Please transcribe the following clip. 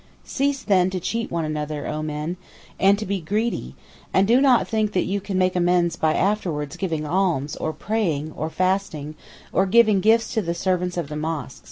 Cease then to cheat one another, O men, and to be greedy, and do not think that you can make amends by afterwards giving alms, or praying, or fasting, or giving gifts to the servants of the mosque.